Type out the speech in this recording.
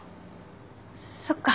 そっか。